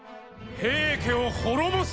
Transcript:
平家を滅ぼす。